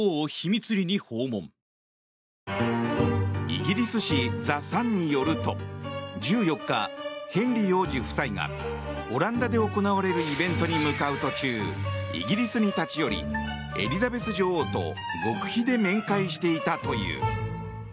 イギリス紙ザ・サンによると１４日、ヘンリー王子夫妻がオランダで行われるイベントに向かう途中イギリスに立ち寄りエリザベス女王と極秘で面会していたという。